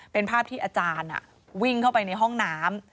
เป็นภาพที่อาจารย์วิ่งเข้าไปในห้องน้ำ